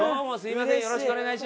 よろしくお願いします。